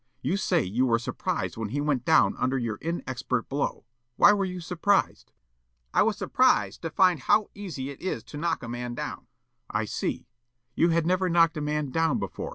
You say you were surprised when he went down under your inexpert blow. Why were you surprised?" Yollop: "I was surprised to find how easy it is to knock a man down." Counsel. "I see. You had never knocked a man down before.